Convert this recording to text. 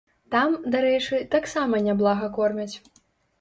Там, дарэчы, таксама няблага кормяць.